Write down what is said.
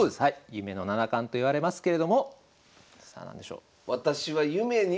「夢の七冠」と言われますけれどもさあ何でしょう？